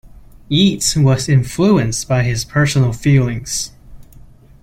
Yeats was influenced by his personal feelings.